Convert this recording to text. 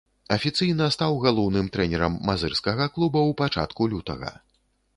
Афіцыйна стаў галоўным трэнерам мазырскага клуба ў пачатку лютага.